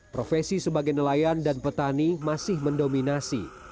profesi sebagai nelayan dan petani masih mendominasi